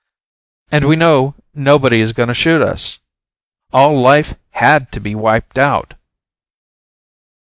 And we know nobody is going to shoot us. All life had to be wiped out."